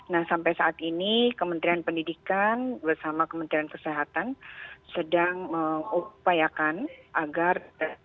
nah sampai saat ini kementerian pendidikan bersama kementerian kesehatan sedang mengupayakan agar